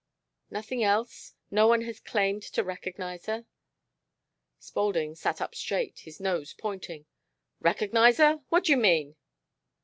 "Nothing else? No one has claimed to recognize her?" Spaulding sat up straight, his nose pointing. "Recognize her? What d'you mean?"